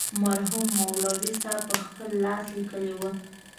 مرحوم مولوي صاحب پخپل لاس لیکلې وه.